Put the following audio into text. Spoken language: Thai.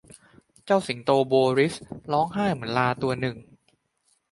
เจ้าสิงโตโบริสร้องไห้เหมือนลาตัวหนึ่ง